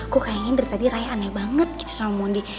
aku kayaknya dari tadi raya aneh banget gitu sama mondi